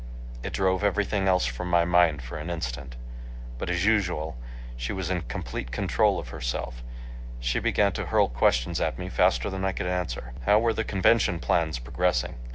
It drove everything else from my mind for an instant. But as usual she was in complete control of herself. She began to hurl questions at me faster than I could answer. "How were the convention plans progressing?" .